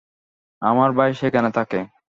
আমার ভাই সেখানে থাকে।